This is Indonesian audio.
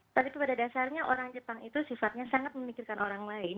tapi pada dasarnya orang jepang itu sifatnya sangat memikirkan orang lain